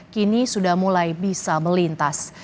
kini sudah mulai bisa melintas